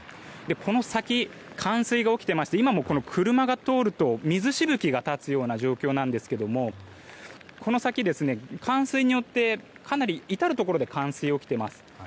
この先、冠水が起きていまして今も車が通ると水しぶきが立つような状況なんですがこの先、かなり至るところで冠水が起きています。